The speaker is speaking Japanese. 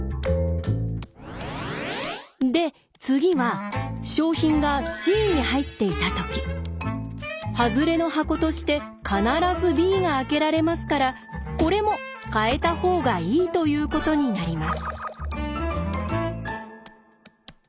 で次は賞品がＣに入っていたときハズレの箱として必ずＢが開けられますからこれも変えた方がいいということになります。